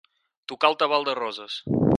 Tocar el tabal de Roses.